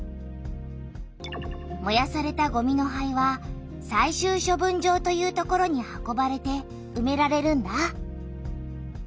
もやされたごみの灰は最終処分場という所に運ばれてうめられるんだ。